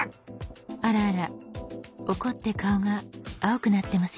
あらあら怒って顔が青くなってますよ。